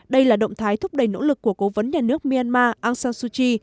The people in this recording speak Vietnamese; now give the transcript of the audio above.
đây là động thái thúc đẩy nỗ lực của cố vấn nhà nước myanmar aung san suu kyi